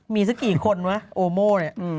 มีสักกี่คนวะโอโม่เนี่ย